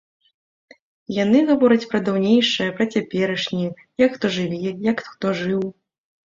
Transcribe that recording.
Яны гавораць пра даўнейшае, пра цяперашняе, як хто жыве, як хто жыў.